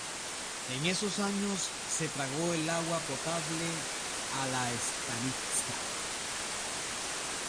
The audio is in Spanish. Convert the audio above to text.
En esos años se trajo el agua potable a la "stanitsa".